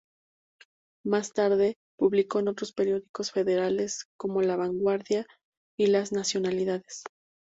Más tarde, publicó en otros periódicos federales como "La Vanguardia" y "Las Nacionalidades".